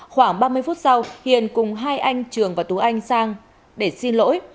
khoảng ba mươi phút sau hiền cùng hai anh trường và tú anh sang để xin lỗi